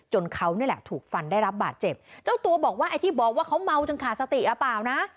เขานี่แหละถูกฟันได้รับบาดเจ็บเจ้าตัวบอกว่าไอ้ที่บอกว่าเขาเมาจนขาดสติอ่ะเปล่านะ